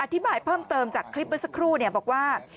อธิบายเพิ่มเติมจากคลิปเมื่อสักครู่บอกว่า